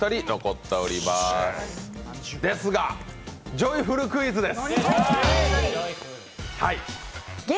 ジョイフルクイズです。